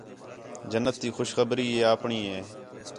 جنت تی خوشخبری ہی اَپݨی ہے